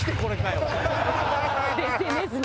ＳＮＳに。